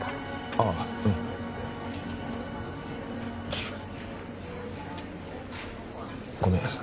ああうんごめん